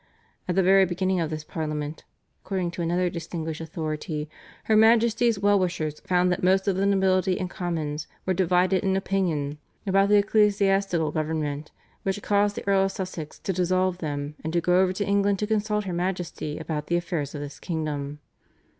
"At the very beginning of this Parliament," according to another distinguished authority, "Her Majesty's well wishers found that most of the nobility and Commons were divided in opinion about the ecclesiastical government, which caused the Earl of Sussex to dissolve them, and to go over to England to consult Her Majesty about the affairs of this kingdom."